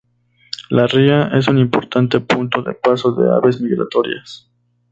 La ría es un importante punto de paso de aves migratorias.